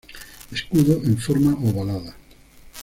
Escudo en forma ovalada.